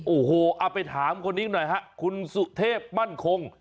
โอ้โหเอาไปถามคนนี้หน่อยฮะคุณสุเทพมั่นคง